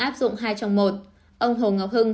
áp dụng hai trong một ông hồ ngọc hưng